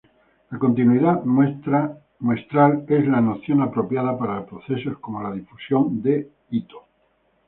La continuidad muestral es la noción apropiada para procesos como la difusión de Itō.